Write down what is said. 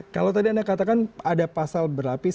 kalau tadi anda katakan ada pasal berlapis